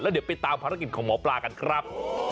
เดี๋ยวไปตามภารกิจของหมอปลากันครับ